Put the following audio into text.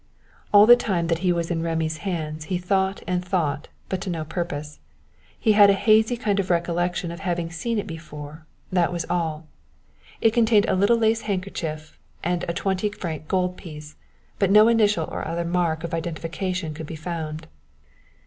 All the time that he was in Rémy's hands he thought and thought, but to no purpose. He had a hazy kind of recollection of having seen it before, that was all. It contained a little lace handkerchief and a twenty franc gold piece, but no initial or other mark of identification could be found.